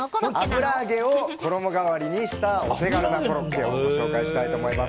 油揚げを衣代わりにしたお手軽なコロッケをご紹介したいと思います。